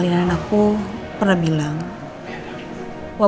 itu kita bicara